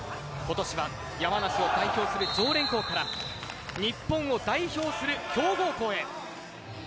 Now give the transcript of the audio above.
今年は山梨を代表する常連校から日本を代表する強豪校へ。